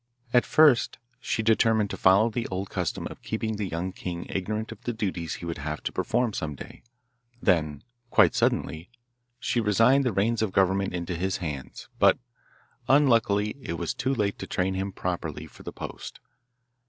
At first she determined to follow the old custom of keeping the young king ignorant of the duties he would have to perform some day; then, quite suddenly, she resigned the reins of government into his hands; but, unluckily, it was too late to train him properly for the post.